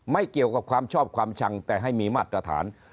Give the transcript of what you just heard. ไม่เกี่ยวกับความชอบความชังแต่ให้มีมาตรฐาน